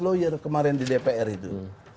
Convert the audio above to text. lawyer kemarin di dpr itu